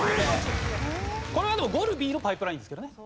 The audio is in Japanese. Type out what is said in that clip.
これはでも『ゴルビーのパイプライン』ですけどね。